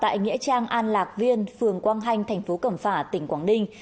phóng viên hoàng việt có mặt tại nghĩa trang an lạc viên phường quang hanh thành phố cẩm phả tỉnh quảng ninh